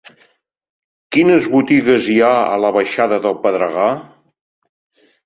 Quines botigues hi ha a la baixada del Pedregar?